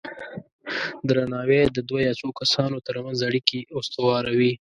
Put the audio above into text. درناوی د دوه یا څو کسانو ترمنځ اړیکې استواروي.